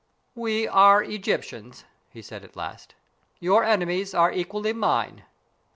"We are Egyptians," he said, at last. "Your enemies are equally mine.